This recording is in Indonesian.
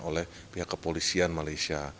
oleh pihak kepolisian malaysia